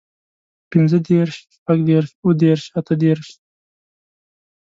پينځهدېرش، شپږدېرش، اووهدېرش، اتهدېرش